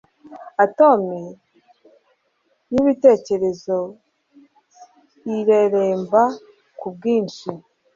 atome yibitekerezo ireremba kubwinshi